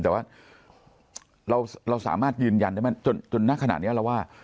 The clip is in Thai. แต่ว่าเราเราสามารถยืนยันได้มั้ยจนจนณขณะเนี้ยเราว่า